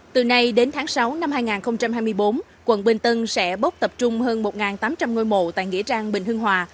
từ nay đến tháng sáu năm hai nghìn hai mươi bốn quận bình tân sẽ bốc tập trung hơn một tám trăm linh ngôi mộ tại nghĩa trang bình hưng hòa